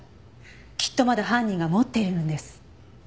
きっとまだ犯人が持っているんです。